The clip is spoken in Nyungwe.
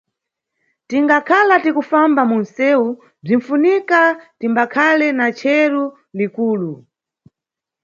Tingakhala tikufamba munʼsewu bzinʼfunika timbakhale na chero likulu.